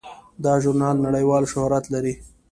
دا ژورنال نړیوال شهرت لري.